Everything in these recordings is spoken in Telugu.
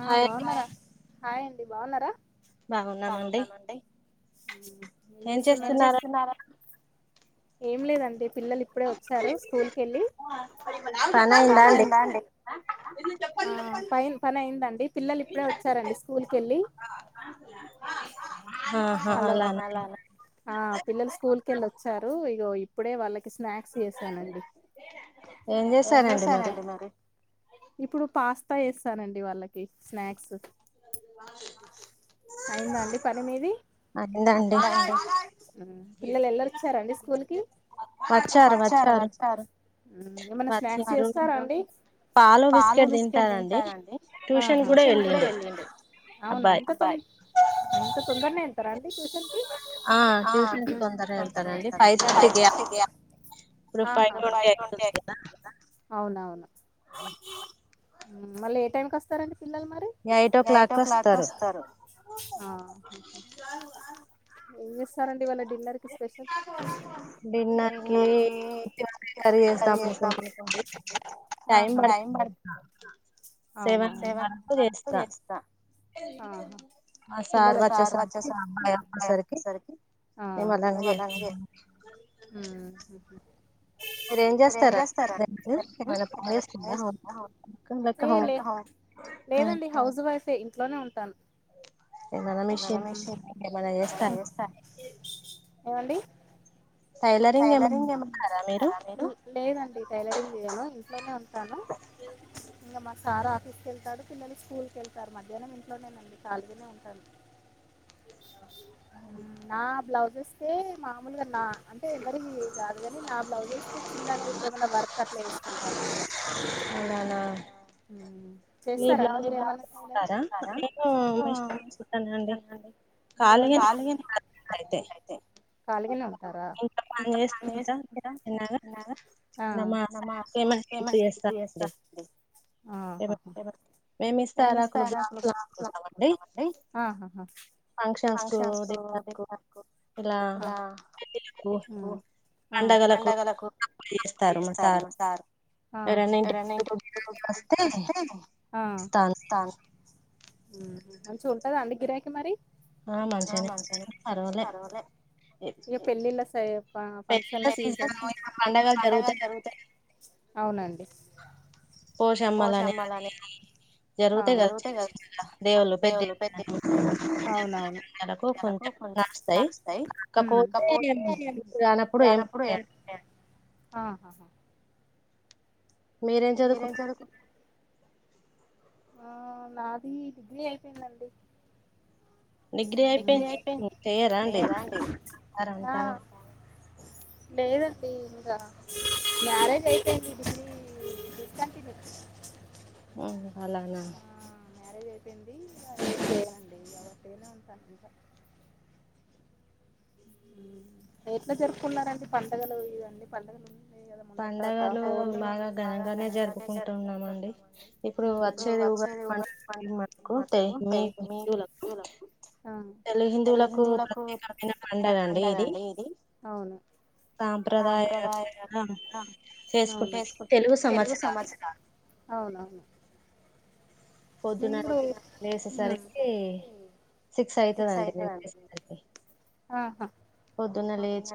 ఆ బాగున్నార హాయ్ అండి బాగున్నరా బాగున్నామండి ఏం చేస్తున్నరు ఏం చేస్తున్నార ఏం లేదండి పిల్లలు ఇప్పుడే వచ్చారు స్కూల్ కెళ్ళి పనైందా అండి ఆ పని అయిందండి పిల్లలు ఇప్పుడే వచ్చారండి స్కూల్ కెళ్ళి ఆ పిల్లలు స్కూల్ కెళ్ళి వచ్చారు ఇగో ఇప్పుడే వాళ్ళకి స్నాక్స్ చేశానండి ఏం చేసారండి మరి ఇప్పుడు పాస్త త చేస్ స్తానండి వాళ్ళకి స్నాక్స్ అయిందా అండి పన్ మీది అయిందండి పిల్లలు ఎల్లొచ్చారా అండి స్కూల్ కి వచ్చారు వచ్చారు ఏమన్న స్నాక్స్ చేస్తారా అండి పాలు బిస్కెట్ టారండి ట్యూషన్ కూడా వెల్లిండు [inaudible] ఆ ట్యూషన్ కి తొందరగా వెళ్తరండి ఫైవ్ థర్టీకె ఫైవ్ ట్వంటీ అవుతుంది కదా అవునవును మళ్ళీ ఏ టైంకి వస్తరండి పిల్లలు మరి ఎయిట్ ఓ క్లాక్ కి వస్తారు ఏం ఇస్తారండి వాళ్ళ డిన్నర్ కి స్పెషల్ డిన్నర్ కి క్యాబేజీ కర్రీ చేద్దాం అనుకుంటున్న టైమ్ పడుతది అవునా సెవెన్ వరకు చేస్తా ఆ పిల్లల మా సారు వచ్చేసరికి అబ్బాయి వచ్చేసరికి నిమ్మళంగా చేస్తా మీరేం చేస్తారండి [unintelligible] ఏమన్న జాబ్ చేస్తుర్రా ఏ లే లేదండి హౌస్ వైఫ్ ఇంట్లోనే ఉంటాను ఏదన్న మెషిన్ ఏమైనా చేస్తారా ఏమండి టైలరింగ్ ఏమన్న రా మీరు లేదండి టైలరింగ్ చేయను ఇంట్లోనే ఉంటాను ఇంక మా సార్ ఆఫీస్కి వెళ్తాడు పిల్లలు స్కూల్ కెళ్తారు మధ్యాహ్నం ఇంట్లోనేనండి కాలీగనే ఉంటాను నా బ్లౌజస్ తే మాములుగానా అంటే ఎవరివి కాదు కాని నా బ్లౌజెస్ చిన్నగ ఏమైన్నా వర్క్ పత్త అట్లే వేసుకుంటాను అలానా చేస్తారండి మీరు [unintelligible] కాలిగానే ఆ ఆహా ఆహాహా ఫంక్షన్స్ ఇలా పండగలకుస్తారు మా సారు ఎవరైనా ఇంటికి వస్తే ఇస్తారు మంచిగా ఉంటదా అండి గిిరాకి మరి ఆ మంచిగానే ఉంటదండీ పర్వాలె పెళ్ళిళ్ళ సే స ఫంక్షన్ పెళ్లిళ్ల సీజను ఇప్పుడు పండగలు జరుగుతాయి అవునండి పోషమ్మలు అనే జరుగుతాయి కదా దేవుళ్ళు పెద్ద అవునవును కొంచం నడుస్తాయి తక్కు తే కానప్పుడు ఏం అహ మీరేం చదువుకున్నారండి ఆ నాది డిగ్రీ అయిపోయిందండి డిగ్రీ అయిపోయింది ఎం చెయరా అండి అంటాను అ ఇంకా మ్యారేజ్ అయిపోఇంది డిగ్రీ డిస్కాంటిన్యూ ఉ ఆలనా మ్యారేజ్ అయిపోయింది ఇంగా ఎం చేయనండి వట్టిగనే ఉంటా ఇంట్లా ఎట్లా జరుపుకున్నారండి పండుగలు ఇవన్నీ పండుగలు ఉ పండగలు బాగా ఘనంగానే జరుపుకుంటున్నమండి ఇప్పుడు వచ్చేది ఉగాడి పండుగ మక్కుంటాయి మీదూలక్ తెలుగు హిందువులకు ప్రత్యేకమైన పండగ అండి ఇది సాంప్రదాయంగా చేసుకుంట తెలుగు సంవత్సరాలు అవునవును పొద్దున లెసేసరికి సిక్స్ అయితది అండి నేను లేసేసరికి ఆహా పొద్దున్న లేచి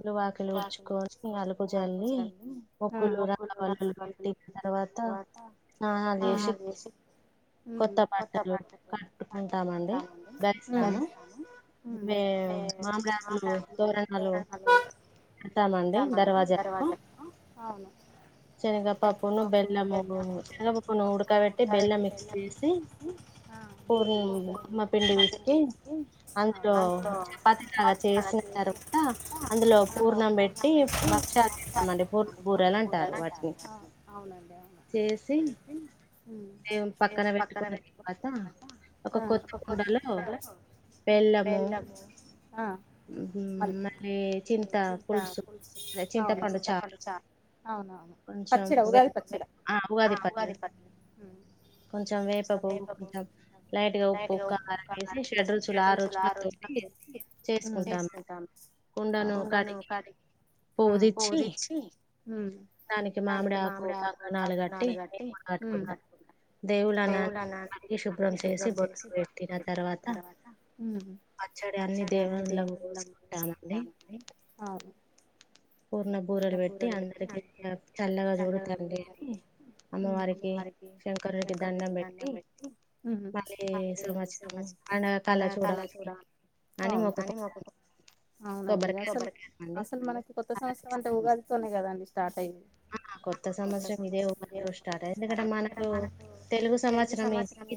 ఇల్లు వాకిలి ఉడ్చుకొని అలుకు జల్లి మొగ్గులు రంగవల్లులు పెట్టిన తర్వాత స్నానాలు చేసి కొత్త బట్టలు కట్టుకుంటామండి దరిస్తాము మే మామిడాకులు తోరణాలు పెడతామండి దర్వాజలకు శనిగపప్పును బెల్లము శనిగపప్పును ఉడకబెట్టి బెల్లం చేసి పూర్ణం పిండి పిసికి అందులో పతిలాగా చేసారు తా అందులో పూర్ణం పెట్టి భక్షలు చెత్తమండి పూర్ణ బూరెలు అంటారు వాటిని చేసి దేవుని పక్కన పెట్టుకున్న తర్వాత ఒక కొత్త కుండలో బెల్లము మరిీ చింత పులుసు చింతపండు చార్ కొంచెం వేప ఆ ఉగాది పచ్చడ కొంచెం వేప పువ్వు కొంచం లైట్గా ఉప్పు కారం వేసి షడ్ రుచులు ఆ రుచుల తోటి చేసుకుంటామండి కుండను కడిగి పూదిచ్చి హు దానికి మామిడి ఆకు కంకణాలు కట్టి మీము కట్టుకుంటం దేవుళ్ళని కడిగి శుభ్రం చేసి బోట్లు పెట్టిన తర్వాత పచ్చడి అన్ని దేవుండ్లకు పో టామండి [inaudible] పూర్ణ బూరెలు పెట్టి అందరికి చల్లగా చూడు తల్లి అని అమ్మవారికి శంకరునికి దండం పెట్టి మళ్ళీ సంవత్సరాలు అండగా చల్లగా చూడాలి అని మొక్కుకున్నాం అవునండి అసలు అసలు మనకి కొత్త సంవత్సరం అంటే ఉగాదితోనే కదండి స్టార్ట్ అయి కొత్త సంవత్సరం ఇదే మనకు తెలుగు సంవత్సరం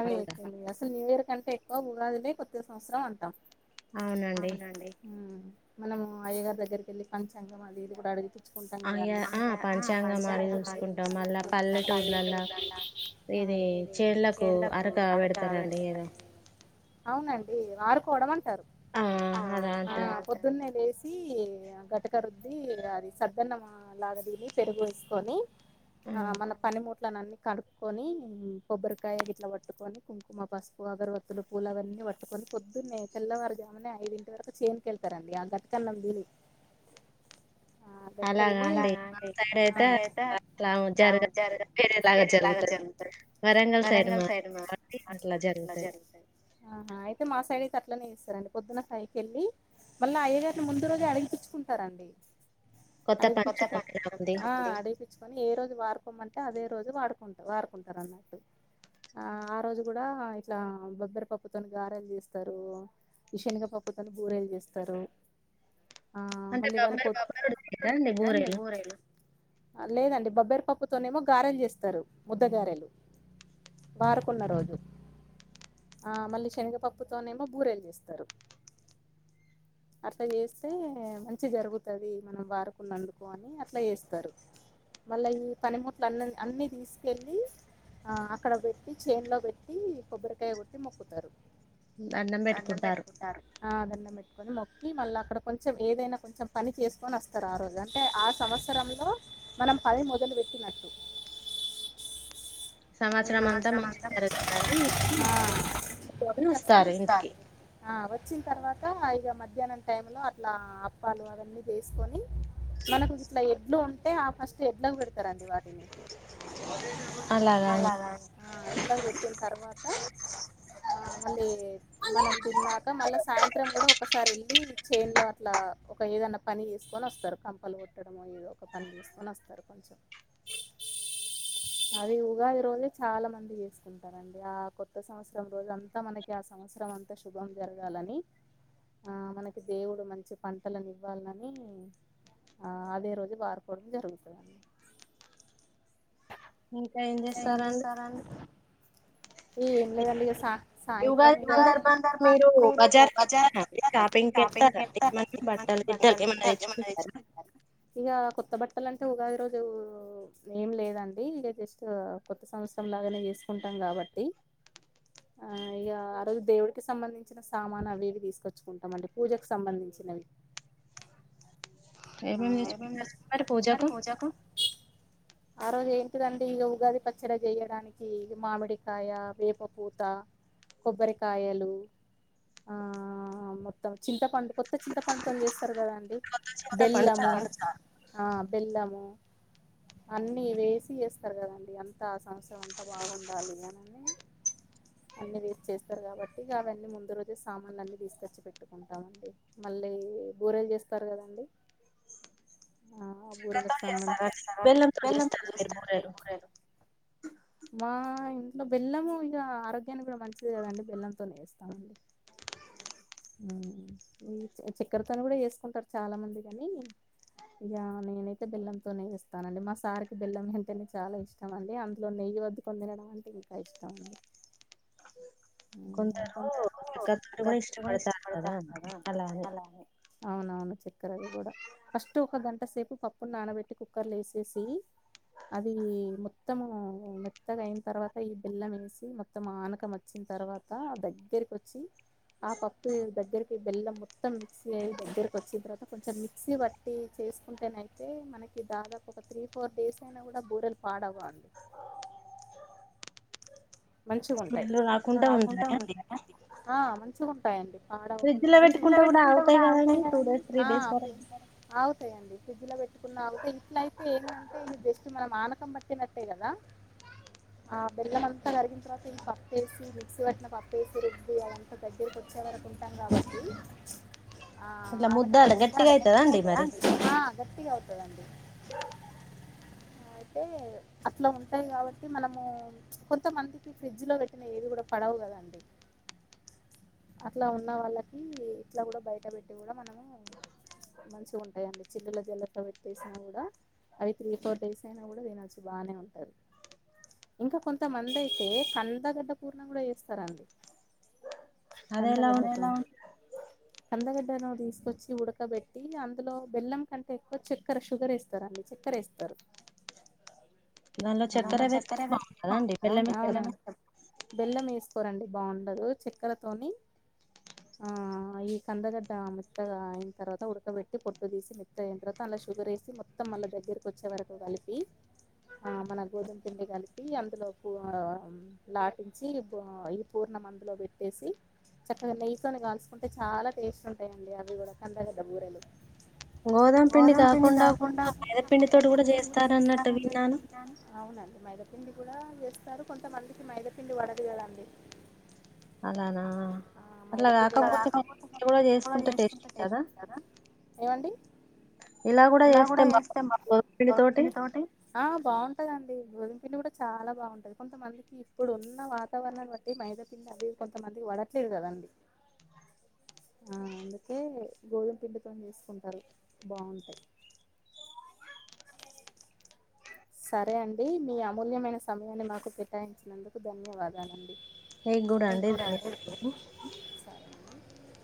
అదే అసలు న్యూ ఇయర్ కంటే ఎక్కువ ఉగాదే కొత్త సంవత్సరం అంటాం అవునండి మనము అయ్యగారి దగ్గరికి వెళ్ళి పంచాంగం అది ఇది కూడా అడిగితే లుసుకుంటాం కదండి పంచాంగం బాగా చూసుకుంటాం ఇది చెన్లకు అరక పెడతారండి అవునండి అ మారుకోవడం అంటారు ఆ పొద్దున్నే లేసి గటక రుద్ది అది సద్దన్నలాగా దిని పెరుగు వేసుకొని ఆ మన పనిమూట్ ట్లా అన్నన్ని కడుక్కొని కొబ్బరికాయ ఇట్లా పట్టుకొని కుంకుమ పసుపు అగరవత్తులు పూలు అన్నివట్టుకొని పొద్దున్నే తెల్లవారి జామునే ఐదింటి వరకు చేనుకీ వెళ్తారండి అ గట్టుకన్నాం తిని ఆ గట్ల తిని అలగా అండి నేను అయితే [unintelligible] జరుగుత వరంగల్ సైడ్ మాది అలా జరుగుత అయితే మా సైడ్ అట్లనే చేస్తారండి పొద్దున ఫైకెళ్ళి మళ్ళీ అయ్యగారిని ముందు రోజే అడిగిపించుకుంటారండి అడిగిపో [unintelligible] అడిపించుకొని ఏ రోజు వార్పు ఏ రోజు వాడుకోమంటే అదే రోజు వాడుకుంటా వాడుకుంటారు అన్నట్టు ఆ ఆ రోజు కూడా ఇట్లా బొబ్బరిపప్పుతోని గారెలు చేస్తారండీ శనగ పప్పుతోని బూరేలు చేస్తారు అంటే గబ్బర్ పప్పుతోటి చేయరా అండి బురేలు లేదండి బబ్బేరపప్పుతోనేమో గారెలు చేస్తారు ముద్ద గారెలు బారుకున్న రోజు ఆ మళ్ళీ శనగపప్పుతోనేమో బూరెలు చేస్తారు అట్లా చేస్తే మంచి జరుగుతుది మనం వారుకున్నందుకు అని అట్లా చేస్తారు మళ్ళా ఈ పనిముట్లు అ అన్ని తీసుకెళ్ళలి ఆ అక్కడ పెట్టి చేన్ లో పెట్టి కొబ్బరికాయ కొట్టి మొక్కుతారు దండం పెట్టుకుంటారు ఆ దన్నం పెట్టుకొని మొక్కి మళ్ళీ అక్కడ కొంచెం ఏదైనా కొంచెం పని చేసుకొని వస్తారు ఆ రోజు అంటే ఆ సంవత్సరంలో మనం పని మొదలు పెట్టినట్టు అ సంవత్సరం అంతా ముస్తుంది వస్తారు ఆ వచ్చిన తర్వాత మధ్యాహ్నం టైం లో అట్లా అప్పాలు అవన్నీ వేసుకొని మనకు ఇట్లా ఎండ ఉంటే ఆ ఫస్ట్ ఎండకు పెడతారవన్నీ అలా అలాగా ఆ ఇట్లాగ పెట్టిన తర్వాత ఆ మళ్ళీ మనం తిన్నాక మళ్ళా సాయంత్రం కూడా ఒకసారి వెళ్ళి చైన్ లో అట్లా ఒక ఏదనా పని చేసుకొని వస్తారు కంపలు కొట్టడ ఏదో ఒక పని చేసుకొని వస్తారు కొంచెం అది ఉగాది రోజే చాలా మంది చేస్తుంటారండి ఆ కొత్త సంవత్సరం రోజు అంతా మనకి ఆ సంవత్సరం అంతా శుభం జరగాలని ఆ మనకి దేవుడు మంచి పంటలని ఇవ్వాలని ఆ అదే రోజు వారుకోవడం జరుగుతుంది ఇంకా ఏం చేస్తారండి ఈ ఏం లేదండి ఇగ సా సాయంత్రం ఉగాది సందర్భంగా మీరు బజారుకేళ్తారా అండి షాపింగ్ వెళ్తారా అండి మంచి బట్టలు గొట్టల్ ఏం అన్న తెచ్చుకుంటారా ఇగ కొత్త బట్టలు అంటే ఉగాది రోజు ఏం లేదండి ఇడె తీస్ కొత్త సంవత్సరం లాగానే చేసుకుంటాం కాబట్టి ఆ ఇగ ఆ రోజు దేవుడికి సంబంధించిన సామాను అవి ఇవి తీసుకొచ్చుకుంటామ అండి పూజకు సంబంధించినవి ఏమేమి తెచ్చుకుంటారు అండి మరి పూజకు ఆ రోజు ఏంటిదండి ఇక ఉగాది పచ్చడి చేయడానికి మామిడికాయ, వేప పూత, కొబ్బరికాయలు ఆ మొత్తం చింతపండు కొత్త చింత పండుతోని చేస్తారు కదా అండి బెల్లము ఆ బెల్లము అన్నీ వేసి చేస్తారు కదండి అంతా సంవత్సరం అంతా బాగుండాలి అని అన్నీ వేసి చేస్తారు కాబట్టి ఇక అవన్నీ ముందు రోజే సామాన్లు అన్నీ తీసుకచ్చి పెట్టుకుంటామండి మళ్ళీ బూరెేలు చేస్తారు కదండి ఆ బూరేలకుస్తారా బెల్లంతో చేస్తారు అండి బెల్లంతో చేస్తారు బూరేలు మా ఆ ఇంట్లో బెల్లము ఇగ ఆరోగ్యానికి కూడా మంచిది కదండి బెల్లంతోనే వేస్తామండి ఈ చక్కెరతో కూడా చేసుకుంటారు చాలా మంది కాని ఇక నేనైతే బెల్లంతో నే చేస్తానండి మా సార్కి బెల్లం అంటేనే చాలా ఇష్టం అండి అందులో నెయ్యి వద్దుకొని తినడం అంటే ఇంకా ఇష్టం అండి కొందరు చక్కర తోటి కూడా ఇష్టపడతారు కదా అలాని అవునవును చెప్ కుక్కర్ అది కూడా ఫస్ట్ ఒక గంట సేపు పప్పు నానబెట్టి కుక్కర్లో వేసేసి అది మొత్తము మెత్తగా అయిన తర్వాత ఈ బెల్లం వేసి మొత్తం ఆనకం వచ్చిన తర్వాత దగ్గరికి వచ్చి ఆ పప్పు దగ్గర ఇది బెల్లం మొత్తం మిక్సీ అయి దగ్గరికి వచ్చిన తర్వాత కొంచెం మిక్సీ పట్టి చేసుకుంటే నయితే మనకి దాదాపు ఒక త్రీ ఫోర్ డేస్ అయినా కూడా బూరెలు పాడవ్వవు అండి మంచిగా ఉంటాయి అట్లా కాకుండా ఉంటాయి ఆ మంచిగా ఉంటాయండి పాడవ్వకుండా ఫ్రిజ్లో పెట్టుకుంటే కూడా ఆతాయి కద ఆ అవు తాయి అండి ఫ్రిడ్జ్ లో పెట్టుకున్నాకతే ఇట్లయితే ఏందంటే ఇది జస్ట్ మనం ఆనకం పట్టినట్టే కదా ఆ బెల్లం అంతా అ జరిగిన తర్వాత ఇక పప్పేసి మిక్సీ పట్టిన పప్పేసి రుబ్బి అదంతా దగ్గరికి వచ్చే వరకు ఉంటాం కాబట్టి ఆ ఆలాక ఉద్ద అండ గట్టిగాయతా గట్టి ఆ గ గట్టిగయితది అండి అయితే అట్లా ఉంటాయి కాబట్టి మనము కొద్ తమందికి ఫ్రిడ్జ్లో పెట్టిన ఏవి కూడా పాడవ్వవు కదండి అట్లా ఉన్న వాళ్ళకి ఇట్లా కూడా బయట పెట్టి కూడా మనము మంచిగా ఉంటాయండి చిల్లుల జల్లతో పెట్టేసినా కూడా అవి త్రీ ఫోర్ డేస్ అయినా కూడా ఇది తినొచ్చు బాగానే ఉంటుంది ఇంకా కొ కొంతమంది అయితే కందగడ్డ పూర్ణం కూడా చేస్తారండి కందగడ్డ తోటి కందగడ్డను తీసుకొచ్చి ఉడకబెట్టి అందులో బెల్లం కంటే ఎక్కువ చక్కెర షుగర్ వేస్తారు అండి చక్కెర వేస్తారు దానిలో చక్కెర వేస్తే బాగుంటదా అండి బెల్లమేస్ రండి బాగుండదు చెక్కర తోని ఆ ఈ కందగడ్డ మెత్తగా అయిన తర్వాత ఉడకబెట్టి పొట్టు తీసి మెత్తగా అయిన తర్వాత అందులో షుగర్ వేసి మొత్తం మళ్ళ దగ్గరకు వచ్చే వరకు కలిపి ఆ మన గోధుమ పిండి కలిపి అందులో వా లాటించి ఈ పూర్ణం అందులో పెట్టేసి చక్కగా నెయ్యి తో అని కాల్చుకుంటే చాలా టేస్ట్ ఉంటాయండి అవి కూడా కందగడ్డ బూరెలు గోదామ పిండి కాకుండా కూడా వేరే పిండి తోటి కూడా చేస్తారన్నట్టు విన్నాను మైదా పిండి కూడా ఎ వస్తారు కొంతమందికి మైదా పిండి పడదు కదండి అలానా మైదాపిండ రాకపోతే చేసుకుంటే చేసుంటారా ఏమండి ఇలా కూడా చేస్తే [unintelligible] తోటి ఆ బాగుంటదండి గోదంపిండి కూడా చాలా బాన్ కొంతమందికి ఇప్పుడు ఉన్న వాతావరణాన్ని బట్టి మైదాపిండి అవి కొంతమందికి పడట్లేదు కదండి ఆ అందుకే గోధుమ పిండితో చేసుకుంటారు బాగుంటాయి సరే అండి మీ అమూల్యమైన సమయాన్ని మాకు కేటాయించినందుకు ధన్యవాదాలండి ఎం గూడా అండి [unintelligible]